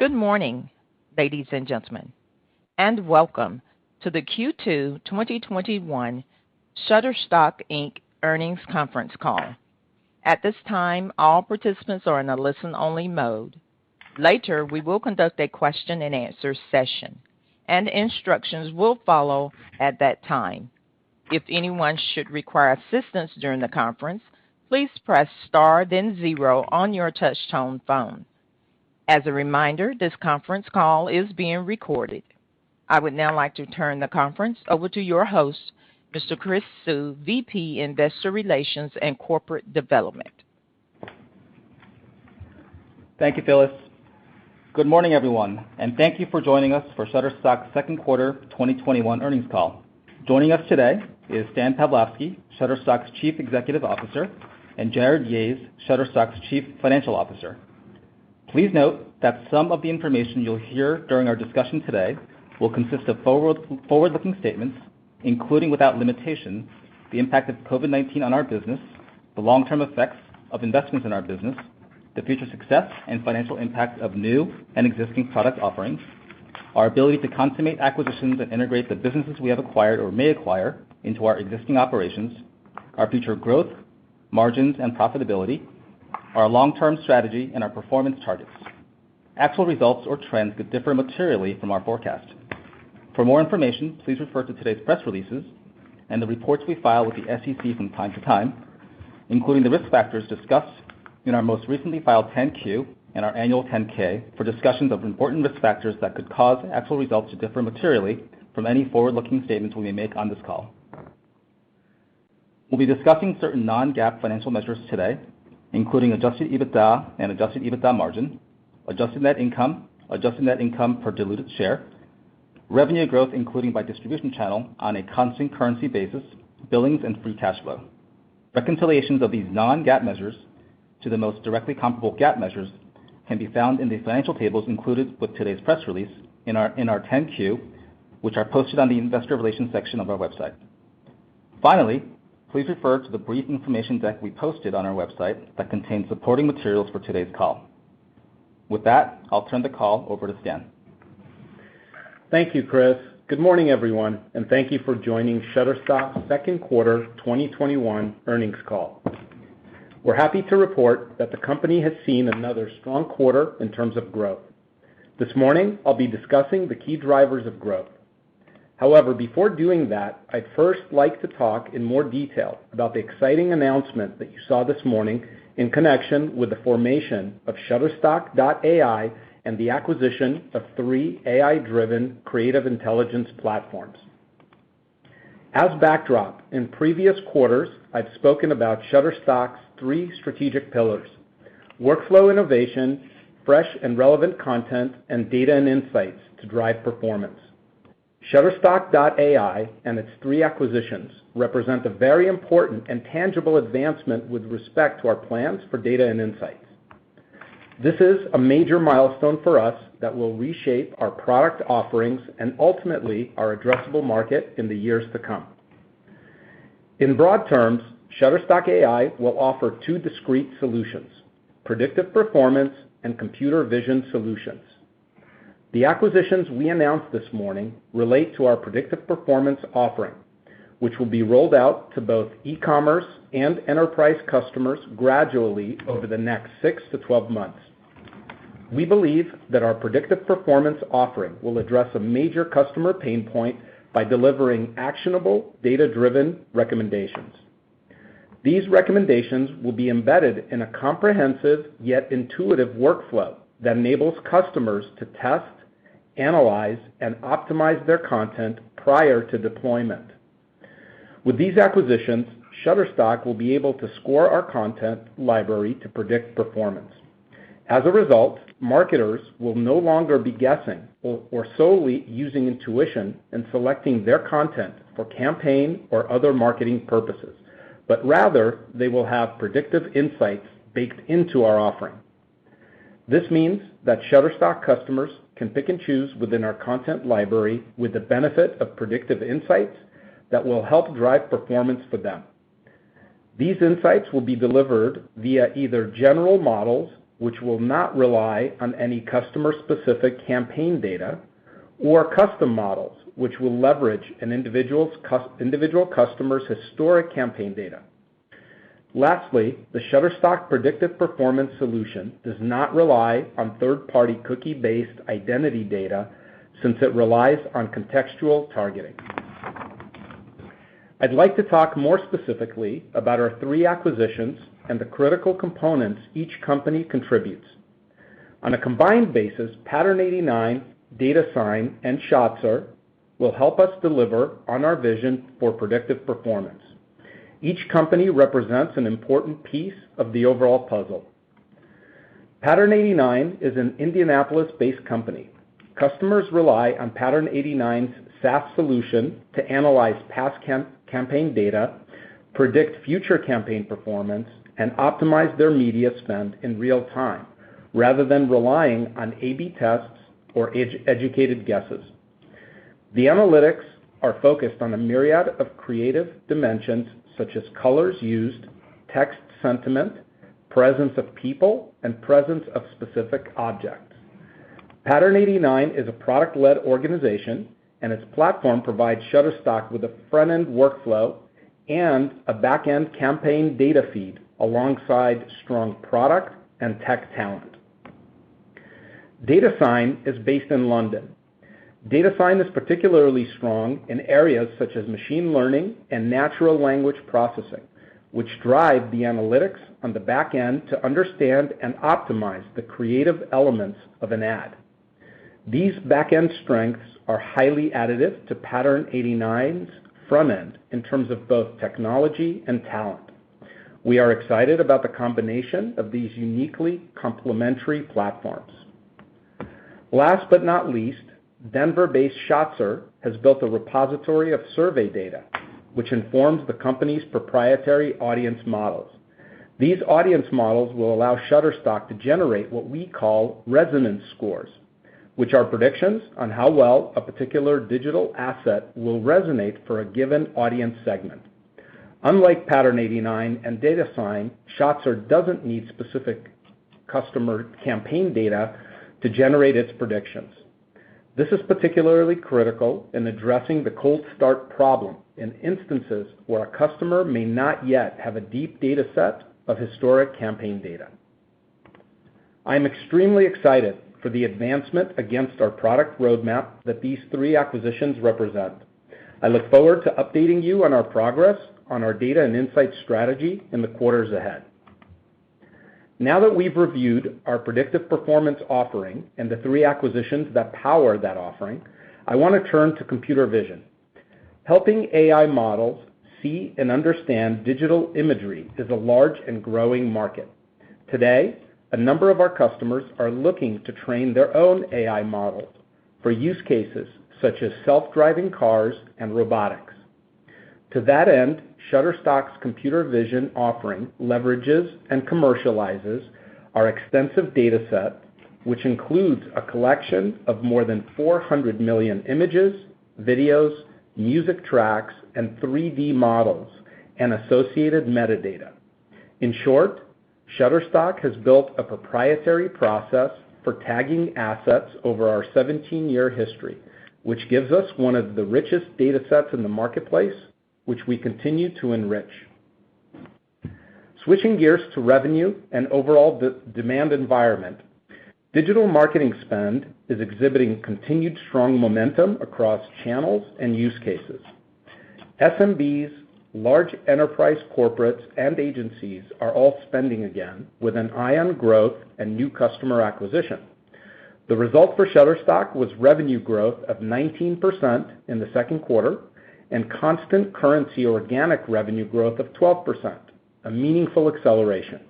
Good morning, ladies and gentlemen, and welcome to the Q2 2021 Shutterstock, Inc. earnings conference call. I would now like to turn the conference over to your host, Mr. Chris Suh, VP, Investor Relations and Corporate Development. Thank you, Phyllis. Good morning, everyone, and thank you for joining us for Shutterstock's second quarter 2021 earnings call. Joining us today is Stan Pavlovsky, Shutterstock's Chief Executive Officer, and Jarrod Yahes, Shutterstock's Chief Financial Officer. Please note that some of the information you'll hear during our discussion today will consist of forward-looking statements, including, without limitation, the impact of COVID-19 on our business, the long-term effects of investments in our business, the future success and financial impact of new and existing product offerings, our ability to consummate acquisitions and integrate the businesses we have acquired or may acquire into our existing operations, our future growth, margins, and profitability, our long-term strategy, and our performance targets. Actual results or trends could differ materially from our forecasts. For more information, please refer to today's press releases and the reports we file with the SEC from time to time, including the risk factors discussed in our most recently filed 10-Q and our annual 10-K for discussions of important risk factors that could cause actual results to differ materially from any forward-looking statements we may make on this call. We'll be discussing certain non-GAAP financial measures today, including adjusted EBITDA and adjusted EBITDA margin, adjusted net income, adjusted net income per diluted share, revenue growth including by distribution channel on a constant currency basis, billings, and free cash flow. Reconciliations of these non-GAAP measures to the most directly comparable GAAP measures can be found in the financial tables included with today's press release in our 10-Q, which are posted on the investor relations section of our website. Please refer to the brief information deck we posted on our website that contains supporting materials for today's call. With that, I'll turn the call over to Stan. Thank you, Chris. Good morning, everyone, and thank you for joining Shutterstock's second quarter 2021 earnings call. We're happy to report that the company has seen another strong quarter in terms of growth. This morning, I'll be discussing the key drivers of growth. Before doing that, I'd first like to talk in more detail about the exciting announcement that you saw this morning in connection with the formation of Shutterstock.AI and the acquisition of three AI-driven creative intelligence platforms. As a backdrop, in previous quarters, I've spoken about Shutterstock's three strategic pillars, workflow innovation, fresh and relevant content, and data and insights to drive performance. Shutterstock.AI and its three acquisitions represent a very important and tangible advancement with respect to our plans for data and insights. This is a major milestone for us that will reshape our product offerings and ultimately our addressable market in the years to come. In broad terms, Shutterstock.AI will offer two discrete solutions, Predictive Performance and Computer Vision solutions. The acquisitions we announced this morning relate to our Predictive Performance offering, which will be rolled out to both e-commerce and enterprise customers gradually over the next six to 12 months. We believe that our Predictive Performance offering will address a major customer pain point by delivering actionable, data-driven recommendations. These recommendations will be embedded in a comprehensive yet intuitive workflow that enables customers to test, analyze, and optimize their content prior to deployment. With these acquisitions, Shutterstock will be able to score our content library to predict performance. As a result, marketers will no longer be guessing or solely using intuition and selecting their content for campaign or other marketing purposes, but rather they will have predictive insights baked into our offering. This means that Shutterstock customers can pick and choose within our content library with the benefit of predictive insights that will help drive performance for them. These insights will be delivered via either general models, which will not rely on any customer-specific campaign data, or custom models, which will leverage an individual customer's historic campaign data. Lastly, the Shutterstock predictive performance solution does not rely on third-party cookie-based identity data since it relies on contextual targeting. I'd like to talk more specifically about our three acquisitions and the critical components each company contributes. On a combined basis, Pattern89, Datasine, and Shotzr will help us deliver on our vision for predictive performance. Each company represents an important piece of the overall puzzle. Pattern89 is an Indianapolis-based company. Customers rely on Pattern89's SaaS solution to analyze past campaign data, predict future campaign performance, and optimize their media spend in real time rather than relying on A/B tests or educated guesses. The analytics are focused on a myriad of creative dimensions such as colors used, text sentiment, presence of people, and presence of specific objects. Pattern89 is a product-led organization, and its platform provides Shutterstock with a front-end workflow and a back-end campaign data feed alongside strong product and tech talent. Datasine is based in London. Datasine is particularly strong in areas such as machine learning and natural language processing, which drive the analytics on the back end to understand and optimize the creative elements of an ad. These back end strengths are highly additive to Pattern89's front end in terms of both technology and talent. We are excited about the combination of these uniquely complementary platforms. Last but not least, Denver-based Shotzr has built a repository of survey data which informs the company's proprietary audience models. These audience models will allow Shutterstock to generate what we call resonance scores, which are predictions on how well a particular digital asset will resonate for a given audience segment. Unlike Pattern89 and Datasine, Shotzr doesn't need specific customer campaign data to generate its predictions. This is particularly critical in addressing the cold start problem in instances where a customer may not yet have a deep data set of historic campaign data. I am extremely excited for the advancement against our product roadmap that these three acquisitions represent. I look forward to updating you on our progress on our data and insight strategy in the quarters ahead. Now that we've reviewed our predictive performance offering and the three acquisitions that power that offering, I want to turn to computer vision. Helping AI models see and understand digital imagery is a large and growing market. Today, a number of our customers are looking to train their own AI models for use cases such as self-driving cars and robotics. To that end, Shutterstock's computer vision offering leverages and commercializes our extensive data set, which includes a collection of more than 400 million images, videos, music tracks, and 3D models, and associated metadata. In short, Shutterstock has built a proprietary process for tagging assets over our 17-year history, which gives us one of the richest data sets in the marketplace, which we continue to enrich. Switching gears to revenue and overall demand environment, digital marketing spend is exhibiting continued strong momentum across channels and use cases. SMBs, large enterprise corporates, and agencies are all spending again with an eye on growth and new customer acquisition. The result for Shutterstock was revenue growth of 19% in the second quarter and constant currency organic revenue growth of 12%, a meaningful acceleration.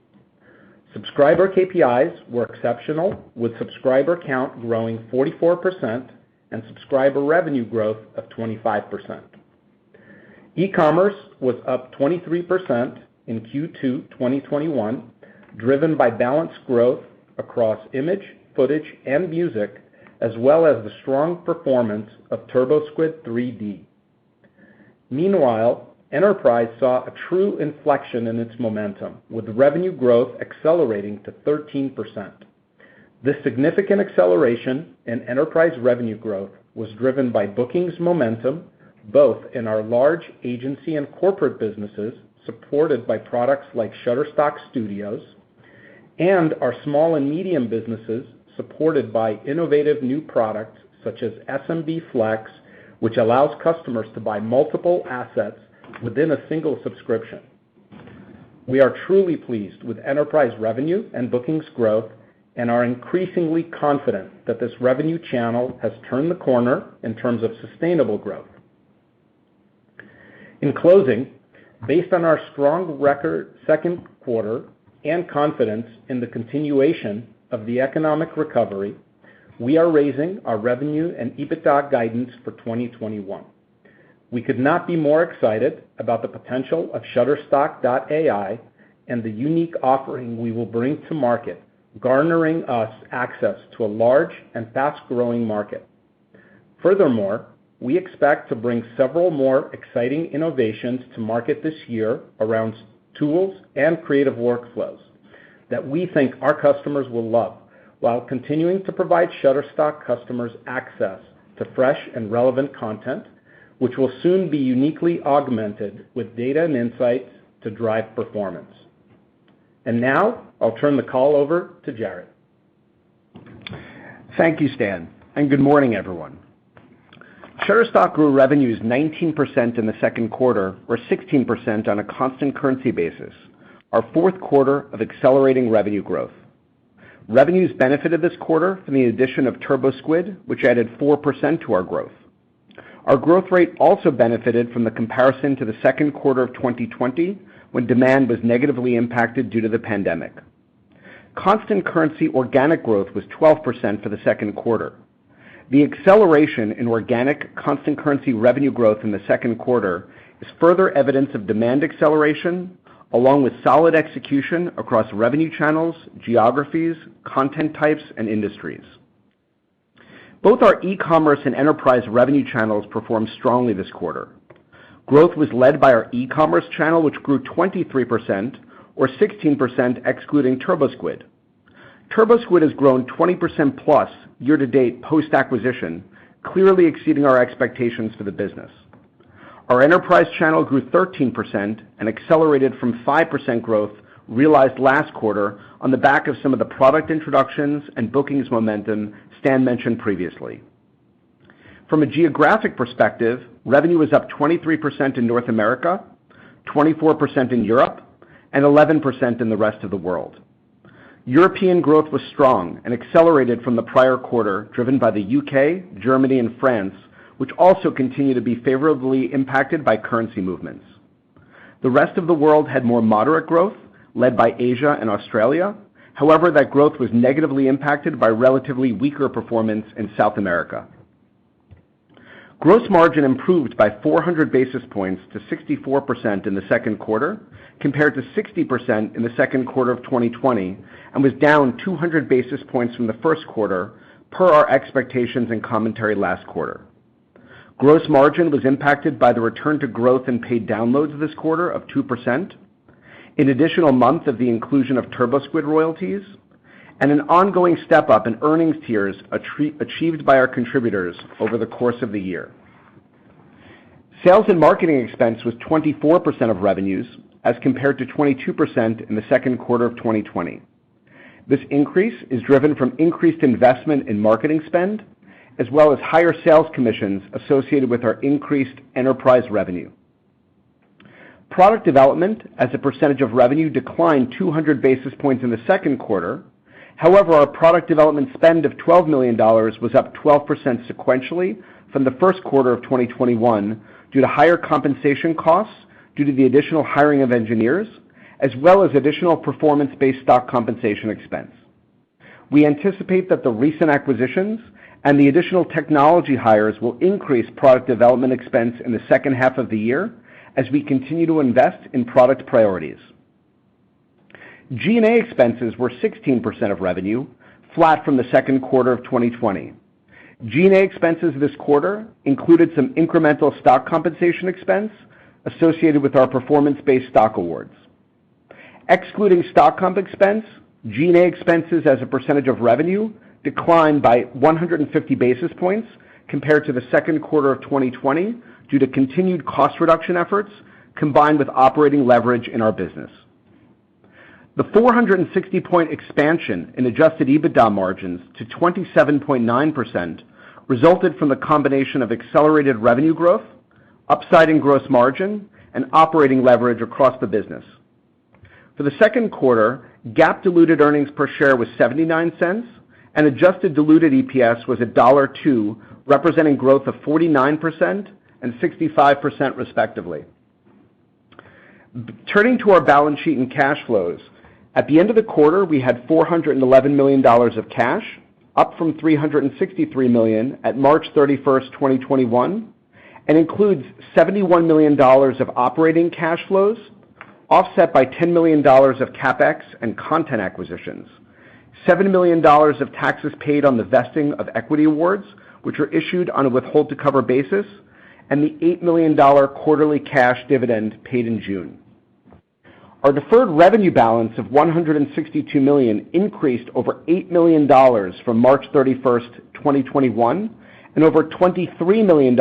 Subscriber KPIs were exceptional, with subscriber count growing 44% and subscriber revenue growth of 25%. E-commerce was up 23% in Q2 2021, driven by balanced growth across image, footage, and music, as well as the strong performance of TurboSquid 3D. Enterprise saw a true inflection in its momentum, with revenue growth accelerating to 13%. This significant acceleration in enterprise revenue growth was driven by bookings momentum, both in our large agency and corporate businesses, supported by products like Shutterstock Studios, and our small and medium businesses, supported by innovative new products such as SMB Flex, which allows customers to buy multiple assets within a single subscription. We are truly pleased with enterprise revenue and bookings growth and are increasingly confident that this revenue channel has turned the corner in terms of sustainable growth. In closing, based on our strong second quarter and confidence in the continuation of the economic recovery, we are raising our revenue and adjusted EBITDA guidance for 2021. We could not be more excited about the potential of Shutterstock.AI and the unique offering we will bring to market, garnering us access to a large and fast-growing market. Furthermore, we expect to bring several more exciting innovations to market this year around tools and creative workflows that we think our customers will love, while continuing to provide Shutterstock customers access to fresh and relevant content, which will soon be uniquely augmented with data and insights to drive performance. Now I'll turn the call over to Jarrod Yahes. Thank you, Stan, and good morning, everyone. Shutterstock grew revenues 19% in the second quarter or 16% on a constant currency basis, our fourth quarter of accelerating revenue growth. Revenues benefited this quarter from the addition of TurboSquid, which added 4% to our growth. Our growth rate also benefited from the comparison to the second quarter of 2020, when demand was negatively impacted due to the pandemic. Constant currency organic growth was 12% for the second quarter. The acceleration in organic constant currency revenue growth in the second quarter is further evidence of demand acceleration along with solid execution across revenue channels, geographies, content types, and industries. Both our e-commerce and enterprise revenue channels performed strongly this quarter. Growth was led by our e-commerce channel, which grew 23%, or 16% excluding TurboSquid. TurboSquid has grown 20%+ year to date post-acquisition, clearly exceeding our expectations for the business. Our enterprise channel grew 13% and accelerated from 5% growth realized last quarter on the back of some of the product introductions and bookings momentum Stan mentioned previously. From a geographic perspective, revenue was up 23% in North America, 24% in Europe, and 11% in the rest of the world. European growth was strong and accelerated from the prior quarter, driven by the U.K., Germany, and France, which also continue to be favorably impacted by currency movements. The rest of the world had more moderate growth, led by Asia and Australia. However, that growth was negatively impacted by relatively weaker performance in South America. Gross margin improved by 400 basis points to 64% in the second quarter, compared to 60% in the second quarter of 2020, and was down 200 basis points from the first quarter, per our expectations and commentary last quarter. Gross margin was impacted by the return to growth in paid downloads this quarter of 2%, an additional month of the inclusion of TurboSquid royalties, and an ongoing step-up in earnings tiers achieved by our contributors over the course of the year. Sales and marketing expense was 24% of revenues, as compared to 22% in the second quarter of 2020. This increase is driven from increased investment in marketing spend, as well as higher sales commissions associated with our increased enterprise revenue. Product development as a percentage of revenue declined 200 basis points in the second quarter. However, our product development spend of $12 million was up 12% sequentially from the first quarter of 2021 due to higher compensation costs due to the additional hiring of engineers, as well as additional performance-based stock compensation expense. We anticipate that the recent acquisitions and the additional technology hires will increase product development expense in the second half of the year as we continue to invest in product priorities. G&A expenses were 16% of revenue, flat from the second quarter of 2020. G&A expenses this quarter included some incremental stock compensation expense associated with our performance-based stock awards. Excluding stock comp expense, G&A expenses as a percentage of revenue declined by 150 basis points compared to the second quarter of 2020 due to continued cost reduction efforts, combined with operating leverage in our business. The 460-point expansion in adjusted EBITDA margins to 27.9% resulted from the combination of accelerated revenue growth, upside in gross margin, and operating leverage across the business. For the second quarter, GAAP diluted earnings per share was $0.79, and adjusted diluted EPS was $1.02, representing growth of 49% and 65% respectively. Turning to our balance sheet and cash flows. At the end of the quarter, we had $411 million of cash, up from $363 million at March 31st, 2021, and includes $71 million of operating cash flows, offset by $10 million of CapEx and content acquisitions, $7 million of taxes paid on the vesting of equity awards, which are issued on a withhold to cover basis, and the $8 million quarterly cash dividend paid in June. Our deferred revenue balance of $162 million increased over $8 million from March 31st, 2021, and over $23 million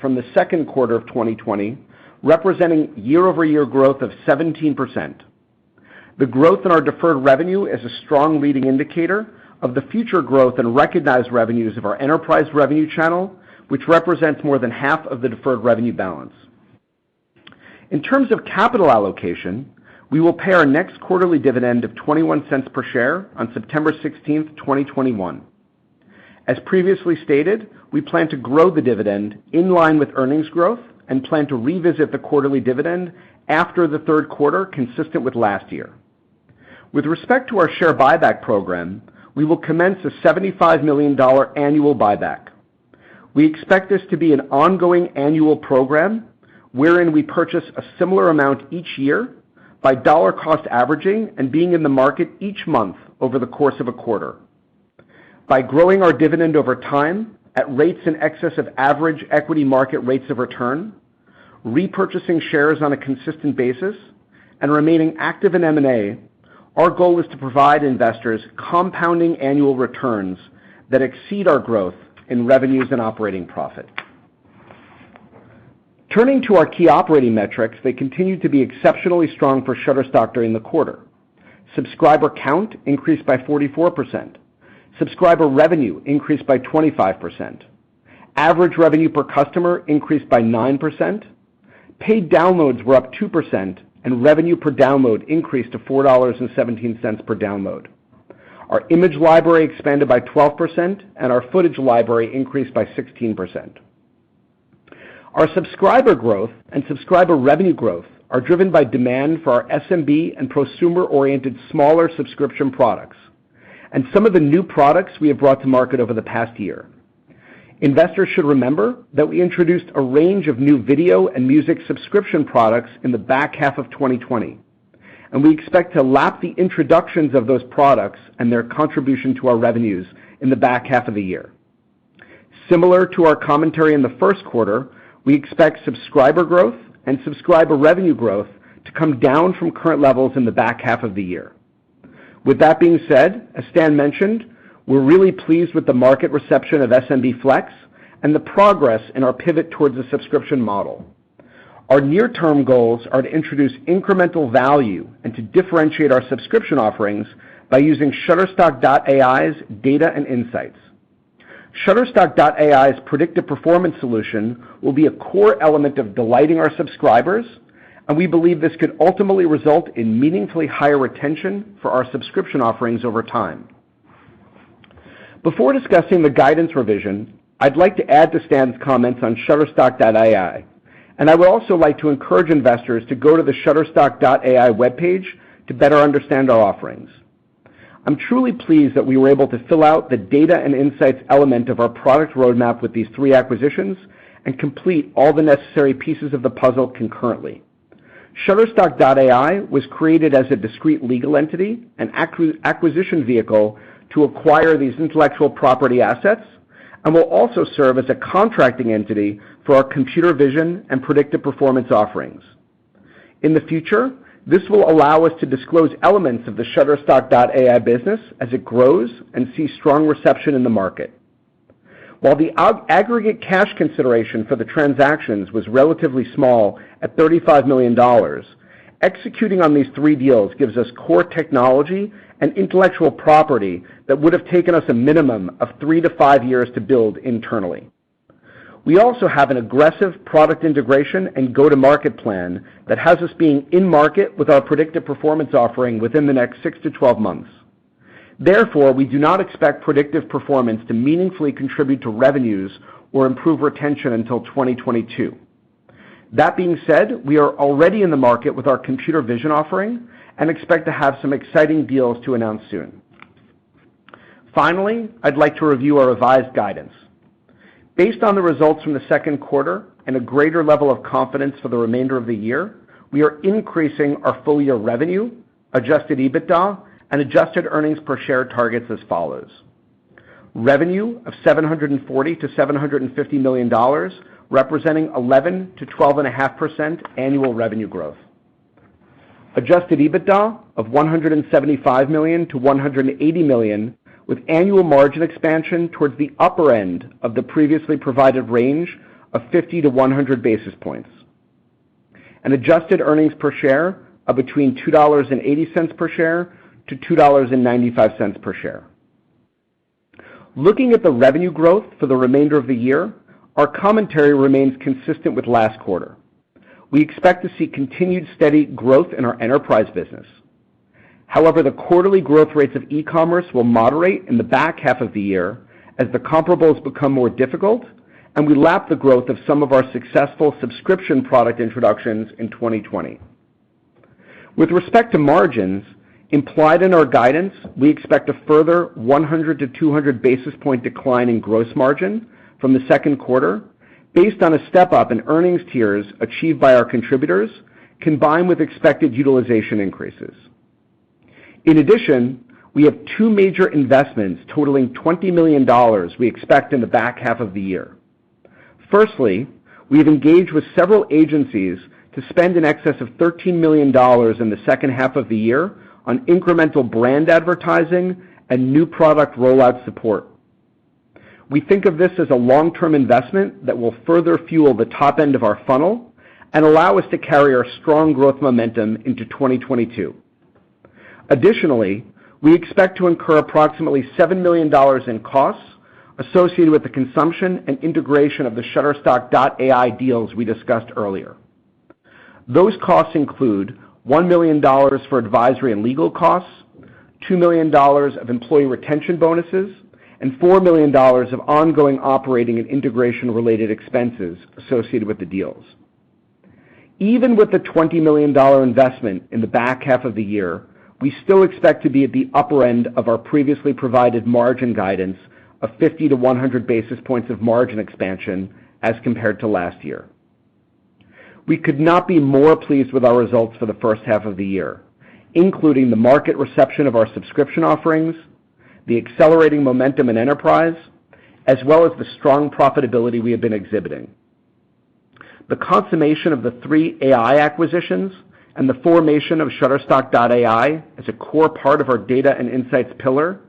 from the second quarter of 2020, representing year-over-year growth of 17%. The growth in our deferred revenue is a strong leading indicator of the future growth in recognized revenues of our enterprise revenue channel, which represents more than half of the deferred revenue balance. In terms of capital allocation, we will pay our next quarterly dividend of $0.21 per share on September 16th, 2021. As previously stated, we plan to grow the dividend in line with earnings growth and plan to revisit the quarterly dividend after the third quarter, consistent with last year. With respect to our share buyback program, we will commence a $75 million annual buyback. We expect this to be an ongoing annual program wherein we purchase a similar amount each year by dollar cost averaging and being in the market each month over the course of a quarter. By growing our dividend over time at rates in excess of average equity market rates of return, repurchasing shares on a consistent basis, and remaining active in M&A, our goal is to provide investors compounding annual returns that exceed our growth in revenues and operating profit. Turning to our key operating metrics, they continued to be exceptionally strong for Shutterstock during the quarter. Subscriber count increased by 44%. Subscriber revenue increased by 25%. Average revenue per customer increased by 9%. Paid downloads were up 2%, and revenue per download increased to $4.17 per download. Our image library expanded by 12%, and our footage library increased by 16%. Our subscriber growth and subscriber revenue growth are driven by demand for our SMB and prosumer-oriented smaller subscription products, and some of the new products we have brought to market over the past year. Investors should remember that we introduced a range of new video and music subscription products in the back half of 2020, and we expect to lap the introductions of those products and their contribution to our revenues in the back half of the year. Similar to our commentary in the first quarter, we expect subscriber growth and subscriber revenue growth to come down from current levels in the back half of the year. With that being said, as Stan mentioned, we're really pleased with the market reception of Shutterstock FLEX and the progress in our pivot towards a subscription model. Our near-term goals are to introduce incremental value and to differentiate our subscription offerings by using Shutterstock.AI's data and insights. Shutterstock.AI's predictive performance solution will be a core element of delighting our subscribers, and we believe this could ultimately result in meaningfully higher retention for our subscription offerings over time. Before discussing the guidance revision, I'd like to add to Stan's comments on Shutterstock.AI, and I would also like to encourage investors to go to the shutterstock.ai webpage to better understand our offerings. I'm truly pleased that we were able to fill out the data and insights element of our product roadmap with these three acquisitions and complete all the necessary pieces of the puzzle concurrently. Shutterstock.AI was created as a discrete legal entity and acquisition vehicle to acquire these intellectual property assets and will also serve as a contracting entity for our computer vision and predictive performance offerings. In the future, this will allow us to disclose elements of the Shutterstock.AI business as it grows and sees strong reception in the market. The aggregate cash consideration for the transactions was relatively small at $35 million, executing on these three deals gives us core technology and intellectual property that would have taken us a minimum of three to five years to build internally. We also have an aggressive product integration and go-to-market plan that has us being in market with our predictive performance offering within the next six to 12 months. Therefore, we do not expect predictive performance to meaningfully contribute to revenues or improve retention until 2022. That being said, we are already in the market with our computer vision offering and expect to have some exciting deals to announce soon. Finally, I'd like to review our revised guidance. Based on the results from the second quarter and a greater level of confidence for the remainder of the year, we are increasing our full year revenue, adjusted EBITDA, and adjusted earnings per share targets as follows. Revenue of $740 million to $750 million, representing 11%-12.5% annual revenue growth. Adjusted EBITDA of $175 million to $180 million with annual margin expansion towards the upper end of the previously provided range of 50 to 100 basis points. An adjusted earnings per share of between $2.80 per share to $2.95 per share. Looking at the revenue growth for the remainder of the year, our commentary remains consistent with last quarter. We expect to see continued steady growth in our enterprise business. However, the quarterly growth rates of e-commerce will moderate in the back half of the year as the comparables become more difficult and we lap the growth of some of our successful subscription product introductions in 2020. With respect to margins implied in our guidance, we expect a further 100 to 200 basis point decline in gross margin from the second quarter based on a step-up in earnings tiers achieved by our contributors, combined with expected utilization increases. We have two major investments totaling $20 million we expect in the back half of the year. We have engaged with several agencies to spend in excess of $13 million in the second half of the year on incremental brand advertising and new product rollout support. We think of this as a long-term investment that will further fuel the top end of our funnel and allow us to carry our strong growth momentum into 2022. We expect to incur approximately $7 million in costs associated with the consumption and integration of the Shutterstock.AI deals we discussed earlier. Those costs include $1 million for advisory and legal costs, $2 million of employee retention bonuses, and $4 million of ongoing operating and integration-related expenses associated with the deals. Even with the $20 million investment in the back half of the year, we still expect to be at the upper end of our previously provided margin guidance of 50 to 100 basis points of margin expansion as compared to last year. We could not be more pleased with our results for the first half of the year, including the market reception of our subscription offerings, the accelerating momentum in enterprise, as well as the strong profitability we have been exhibiting. The consummation of the three AI acquisitions and the formation of Shutterstock.AI as a core part of our data and insights pillar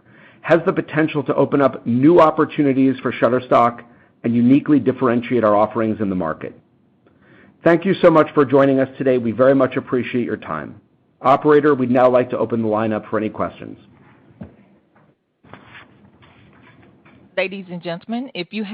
has the potential to open up new opportunities for Shutterstock and uniquely differentiate our offerings in the market. Thank you so much for joining us today. We very much appreciate your time. Operator, we'd now like to open the lineup for any questions. Your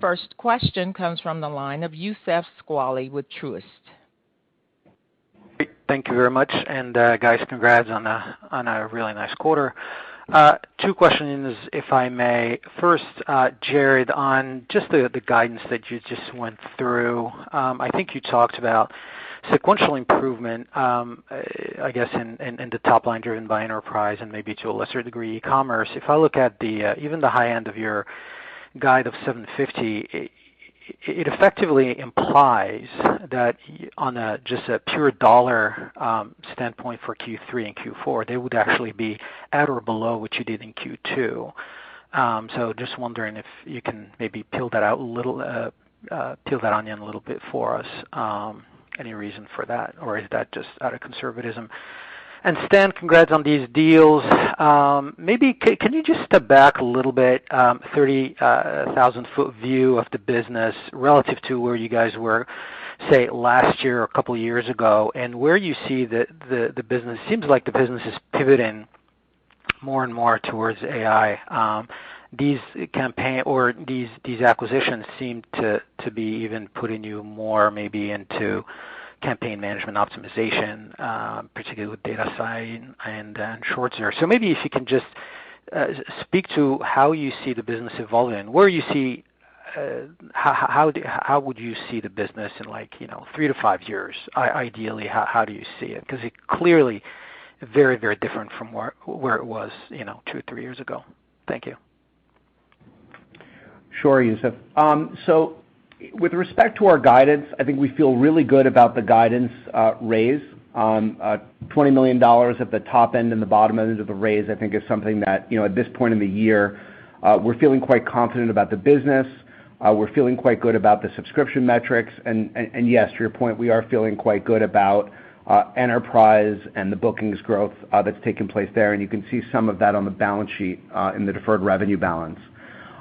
first question comes from the line of Youssef Squali with Truist. Thank you very much. Guys, congrats on a really nice quarter. Two questions, if I may. First, Jarrod, on just the guidance that you just went through. I think you talked about sequential improvement, I guess, in the top line driven by enterprise and maybe to a lesser degree, e-commerce. If I look at even the high end of your guide of $750, it effectively implies that on just a pure dollar standpoint for Q3 and Q4, they would actually be at or below what you did in Q2. Just wondering if you can maybe peel that onion a little bit for us. Any reason for that, or is that just out of conservatism? Stan, congrats on these deals. Maybe can you just step back a little bit, 30,000-foot view of the business relative to where you guys were, say, last year or a couple of years ago, and where you see the business. Seems like the business is pivoting more and more towards AI. These acquisitions seem to be even putting you more maybe into campaign management optimization, particularly with Datasine and Shotzr. Maybe if you can just speak to how you see the business evolving, how would you see the business in three to five years? Ideally, how do you see it? It's clearly very different from where it was two or three years ago. Thank you. Sure, Youssef. With respect to our guidance, I think we feel really good about the guidance raise. $20 million at the top end and the bottom end of the raise, I think is something that, at this point in the year, we're feeling quite confident about the business. We're feeling quite good about the subscription metrics. Yes, to your point, we are feeling quite good about enterprise and the bookings growth that's taken place there, and you can see some of that on the balance sheet in the deferred revenue balance.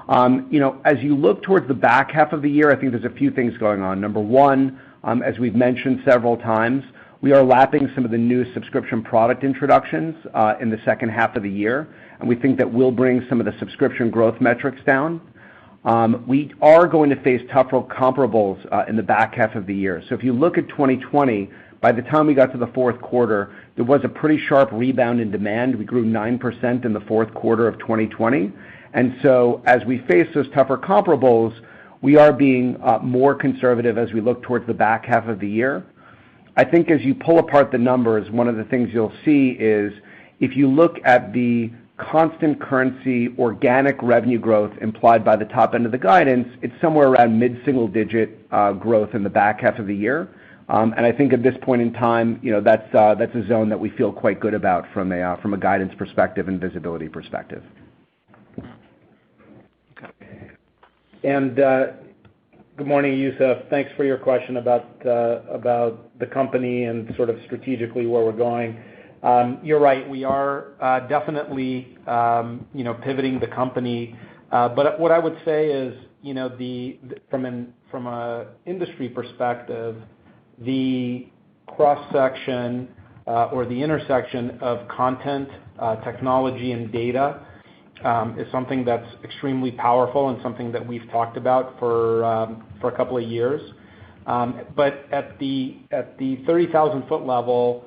As you look towards the back half of the year, I think there's a few things going on. Number 1, as we've mentioned several times, we are lapping some of the new subscription product introductions in the second half of the year, and we think that will bring some of the subscription growth metrics down. We are going to face tougher comparables in the back half of the year. If you look at 2020, by the time we got to the fourth quarter, there was a pretty sharp rebound in demand. We grew 9% in the fourth quarter of 2020. As we face those tougher comparables, we are being more conservative as we look towards the back half of the year. I think as you pull apart the numbers, one of the things you'll see is if you look at the constant currency organic revenue growth implied by the top end of the guidance, it's somewhere around mid-single digit growth in the back half of the year. I think at this point in time, that's a zone that we feel quite good about from a guidance perspective and visibility perspective. Okay. Good morning, Youssef. Thanks for your question about the company and sort of strategically where we're going. You're right, we are definitely pivoting the company. What I would say is, from an industry perspective, the cross-section, or the intersection of content, technology, and data, is something that's extremely powerful and something that we've talked about for a couple of years. At the 30,000-foot level,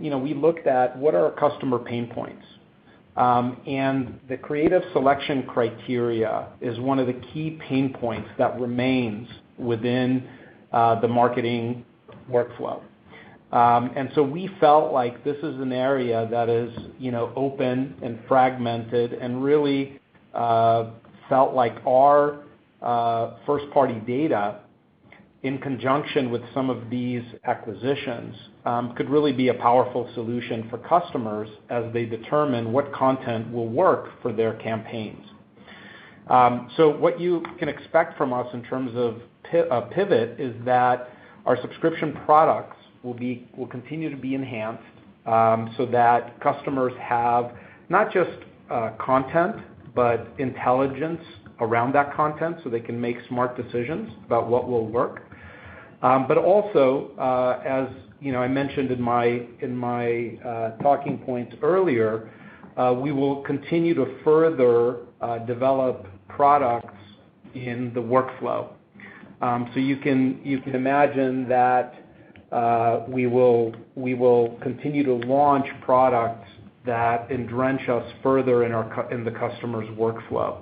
we looked at what are our customer pain points. The creative selection criteria is one of the key pain points that remains within the marketing workflow. So we felt like this is an area that is open and fragmented and really felt like our first-party data in conjunction with some of these acquisitions, could really be a powerful solution for customers as they determine what content will work for their campaigns. What you can expect from us in terms of pivot is that our subscription products will continue to be enhanced so that customers have not just content, but intelligence around that content, so they can make smart decisions about what will work. Also, as I mentioned in my talking points earlier, we will continue to further develop products in the workflow. You can imagine that we will continue to launch products that entrench us further in the customer's workflow.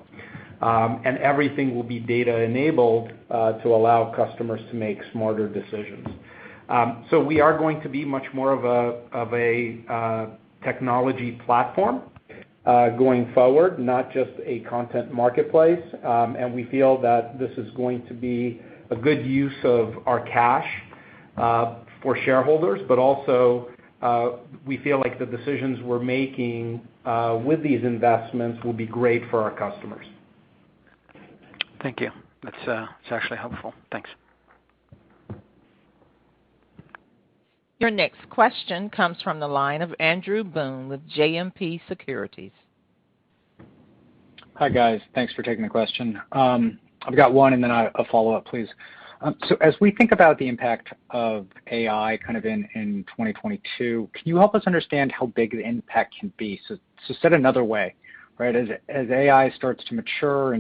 Everything will be data-enabled to allow customers to make smarter decisions. We are going to be much more of a technology platform going forward, not just a content marketplace. We feel that this is going to be a good use of our cash for shareholders, but also, we feel like the decisions we're making with these investments will be great for our customers. Thank you. That's actually helpful. Thanks. Your next question comes from the line of Andrew Boone with JMP Securities. Hi, guys. Thanks for taking the question. I've got one and then a follow-up, please. As we think about the impact of AI kind of in 2022, can you help us understand how big the impact can be? Said another way. As AI starts to mature,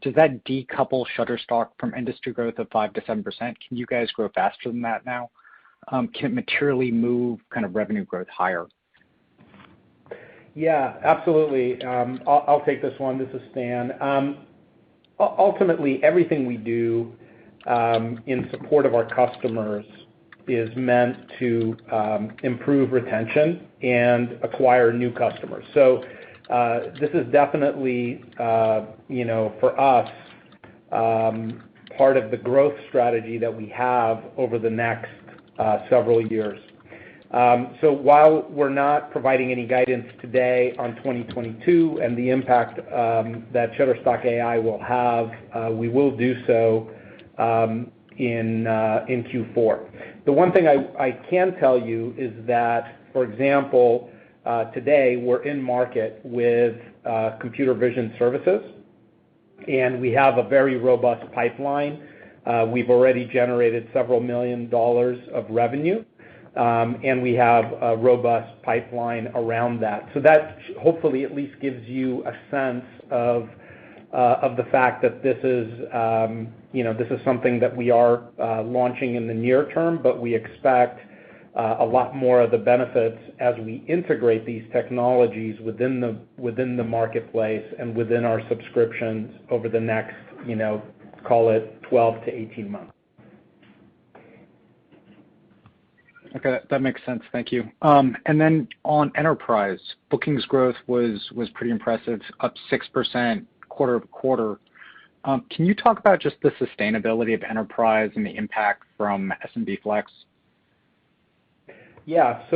does that decouple Shutterstock from industry growth of 5%-7%? Can you guys grow faster than that now? Can it materially move revenue growth higher? Yeah, absolutely. I'll take this one. This is Stan. Ultimately, everything we do in support of our customers is meant to improve retention and acquire new customers. This is definitely, for us, part of the growth strategy that we have over the next several years. While we're not providing any guidance today on 2022 and the impact that Shutterstock.AI will have, we will do so in Q4. The one thing I can tell you is that, for example, today we're in market with computer vision services, and we have a very robust pipeline. We've already generated several millions dollars of revenue, and we have a robust pipeline around that. That hopefully at least gives you a sense of the fact that this is something that we are launching in the near term, but we expect a lot more of the benefits as we integrate these technologies within the marketplace and within our subscriptions over the next, call it 12-18 months. Okay, that makes sense. Thank you. On enterprise, bookings growth was pretty impressive, up 6% quarter-over-quarter. Can you talk about just the sustainability of enterprise and the impact from Shutterstock FLEX? Yeah.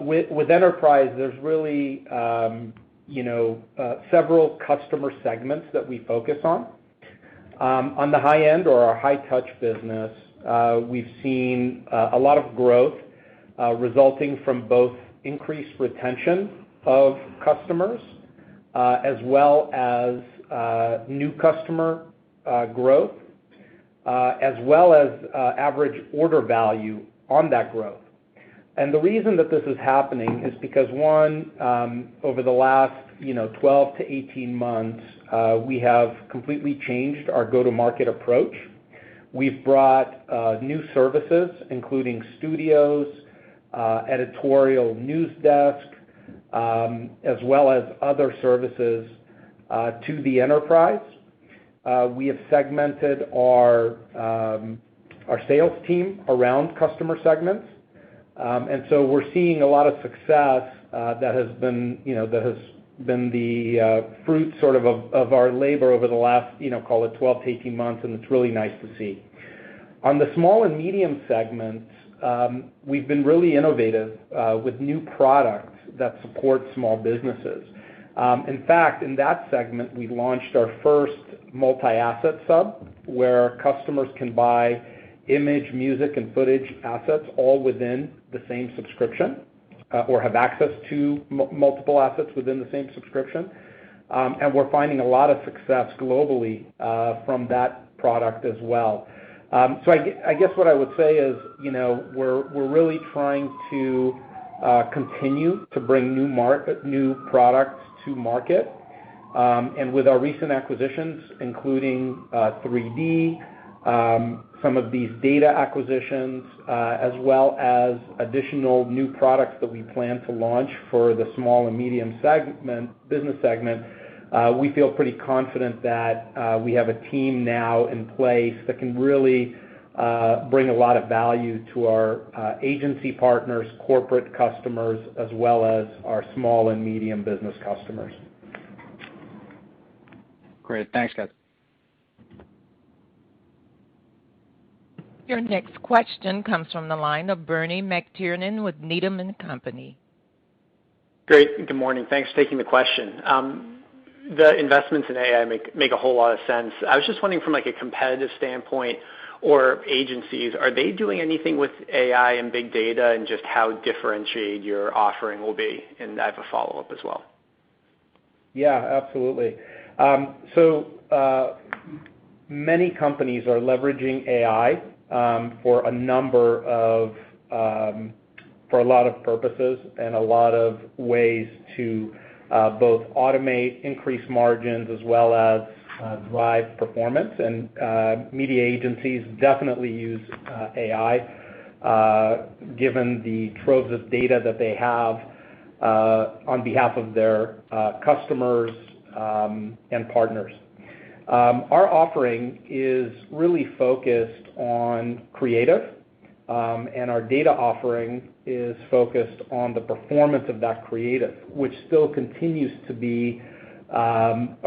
With enterprise, there's really several customer segments that we focus on. On the high end or our high touch business, we've seen a lot of growth, resulting from both increased retention of customers as well as new customer growth, as well as average order value on that growth. The reason that this is happening is because, one, over the last 12-18 months, we have completely changed our go-to-market approach. We've brought new services, including Shutterstock Studios, editorial news desk, as well as other services to the enterprise. We have segmented our sales team around customer segments. We're seeing a lot of success that has been the fruit of our labor over the last, call it 12-18 months, and it's really nice to see. On the small and medium segments, we've been really innovative with new products that support small businesses. In fact, in that segment, we launched our first multi-asset sub, where customers can buy image, music, and footage assets all within the same subscription, or have access to multiple assets within the same subscription. We're finding a lot of success globally from that product as well. I guess what I would say is, we're really trying to continue to bring new products to market. With our recent acquisitions, including 3D, some of these data acquisitions, as well as additional new products that we plan to launch for the small and medium business segment, we feel pretty confident that we have a team now in place that can really bring a lot of value to our agency partners, corporate customers, as well as our small and medium business customers. Great. Thanks, guys. Your next question comes from the line of Bernie McTernan with Needham & Company. Great, good morning. Thanks for taking the question. The investments in AI make a whole lot of sense. I was just wondering from a competitive standpoint, or agencies, are they doing anything with AI and big data? Just how differentiated your offering will be. I have a follow-up as well. Yeah, absolutely. Many companies are leveraging AI for a lot of purposes and a lot of ways to both automate, increase margins, as well as drive performance. Media agencies definitely use AI, given the troves of data that they have on behalf of their customers and partners. Our offering is really focused on creative, and our data offering is focused on the performance of that creative, which still continues to be a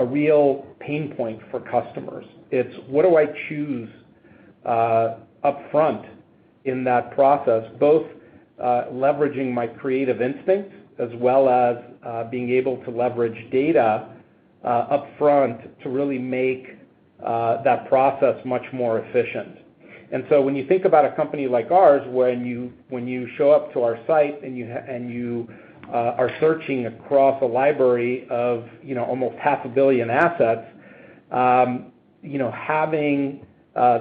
real pain point for customers. It's what do I choose upfront in that process, both leveraging my creative instinct as well as being able to leverage data upfront to really make that process much more efficient. When you think about a company like ours, when you show up to our site and you are searching across a library of almost half a billion assets. Having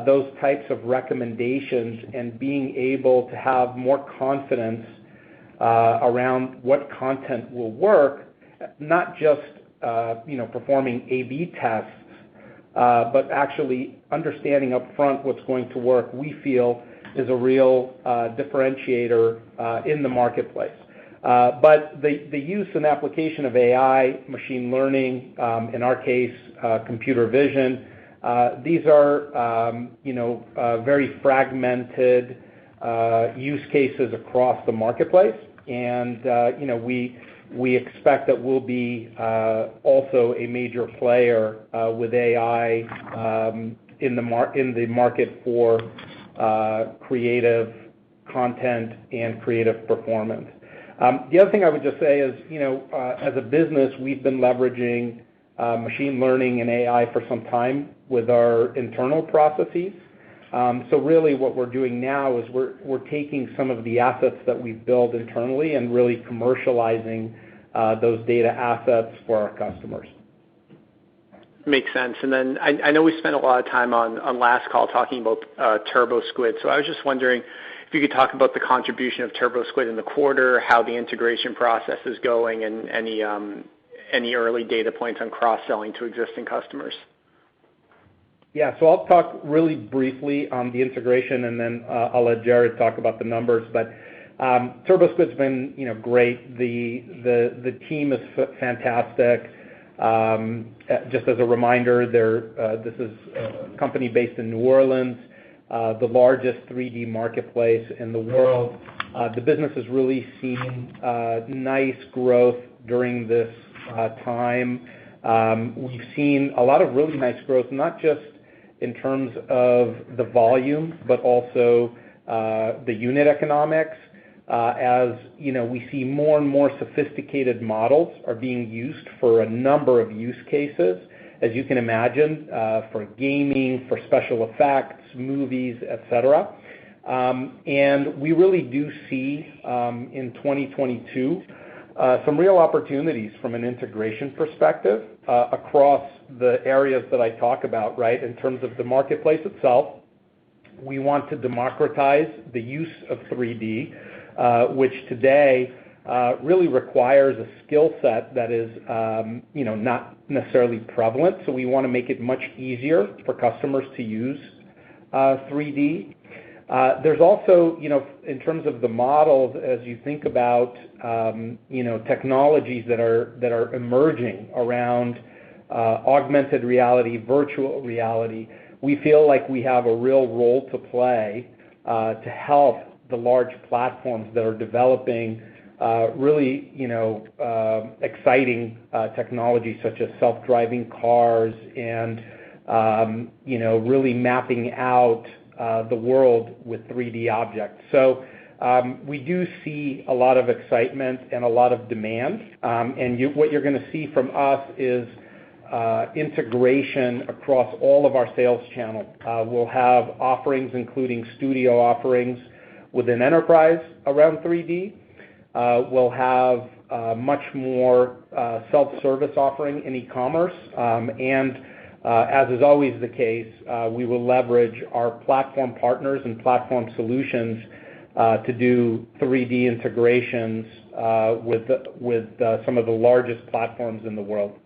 those types of recommendations and being able to have more confidence around what content will work, not just performing A/B tests, but actually understanding upfront what's going to work, we feel is a real differentiator in the marketplace. The use and application of AI, machine learning, in our case, computer vision, these are very fragmented use cases across the marketplace. We expect that we'll be also a major player with AI in the market for creative content and creative performance. The other thing I would just say is, as a business, we've been leveraging machine learning and AI for some time with our internal processes. Really what we're doing now is we're taking some of the assets that we've built internally and really commercializing those data assets for our customers. Makes sense. I know we spent a lot of time on last call talking about TurboSquid. I was just wondering if you could talk about the contribution of TurboSquid in the quarter, how the integration process is going, and any early data points on cross-selling to existing customers. Yeah. I'll talk really briefly on the integration, and then I'll let Jarrod talk about the numbers. TurboSquid's been great. The team is fantastic. Just as a reminder, this is a company based in New Orleans, the largest 3D marketplace in the world. The business has really seen nice growth during this time. We've seen a lot of really nice growth, not just in terms of the volume, but also the unit economics. As we see more and more sophisticated models are being used for a number of use cases, as you can imagine, for gaming, for special effects, movies, et cetera. We really do see, in 2022, some real opportunities from an integration perspective, across the areas that I talk about, right? In terms of the marketplace itself, we want to democratize the use of 3D, which today really requires a skill set that is not necessarily prevalent. We want to make it much easier for customers to use 3D. There's also, in terms of the models, as you think about technologies that are emerging around augmented reality, virtual reality, we feel like we have a real role to play, to help the large platforms that are developing really exciting technology such as self-driving cars and really mapping out the world with 3D objects. We do see a lot of excitement and a lot of demand. What you're going to see from us is integration across all of our sales channels. We'll have offerings, including studio offerings within enterprise around 3D. We'll have much more self-service offering in e-commerce. As is always the case, we will leverage our platform partners and platform solutions to do 3D integrations with some of the largest platforms in the world.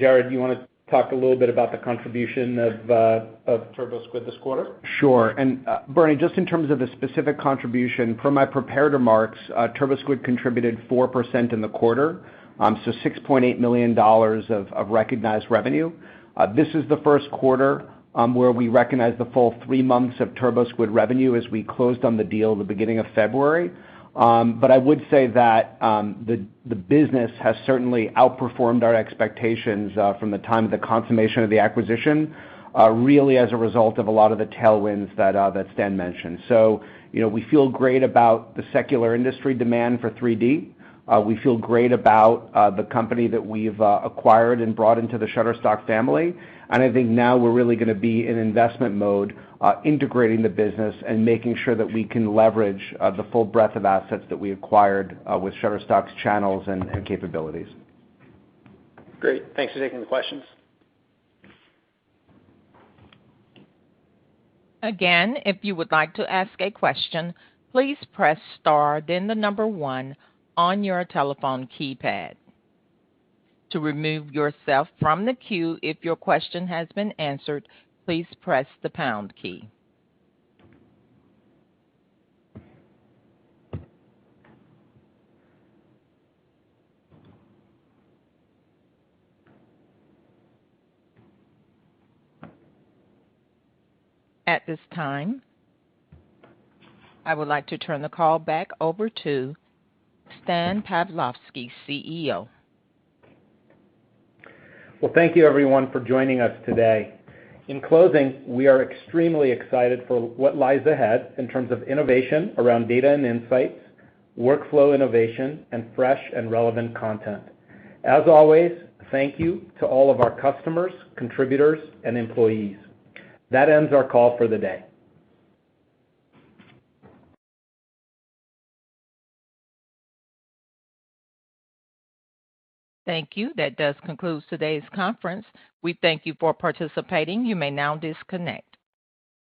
Jarrod, do you want to talk a little bit about the contribution of TurboSquid this quarter? Sure. Bernie McTernan, just in terms of the specific contribution, per my prepared remarks, TurboSquid contributed 4% in the quarter, so $6.8 million of recognized revenue. This is the first quarter where we recognized the full three months of TurboSquid revenue as we closed on the deal at the beginning of February. I would say that the business has certainly outperformed our expectations from the time of the consummation of the acquisition, really as a result of a lot of the tailwinds that Stan mentioned. We feel great about the secular industry demand for 3D. We feel great about the company that we've acquired and brought into the Shutterstock family, and I think now we're really gonna be in investment mode, integrating the business and making sure that we can leverage the full breadth of assets that we acquired with Shutterstock's channels and capabilities. Great. Thanks for taking the questions. At this time, I would like to turn the call back over to Stan Pavlovsky, CEO. Well, thank you everyone for joining us today. In closing, we are extremely excited for what lies ahead in terms of innovation around data and insights, workflow innovation, and fresh and relevant content. As always, thank you to all of our customers, contributors, and employees. That ends our call for the day. Thank you. That does conclude today's conference. We thank you for participating. You may now disconnect.